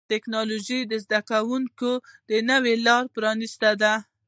ټکنالوجي د زدهکړې نوي لارې پرانستې دي.